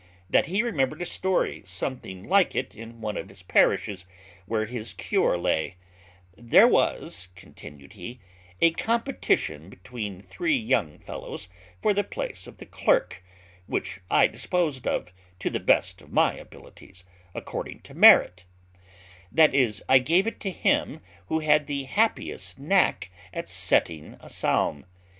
That he remembered a story something like it in one of the parishes where his cure lay: There was," continued he, "a competition between three young fellows for the place of the clerk, which I disposed of, to the best of my abilities, according to merit; that is, I gave it to him who had the happiest knack at setting a psalm.